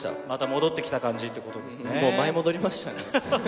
また戻ってきた感じってこともう舞い戻りましたね。